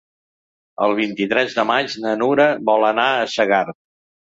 El vint-i-tres de maig na Nura vol anar a Segart.